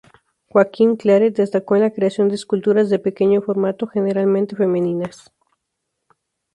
Joaquim Claret destacó en la creación de esculturas de pequeño formato, generalmente femeninas.